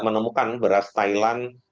menemukan beras thailand